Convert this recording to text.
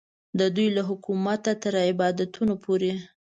د دوی له حکومته تر عبادتونو پورې.